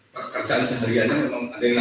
pekerjaan sehariannya memang ada yang